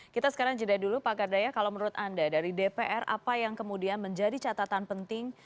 kita sekarang jeda dulu pak kardaya kalau menurut anda dari dpr apa yang kemudian menjadi catatan penting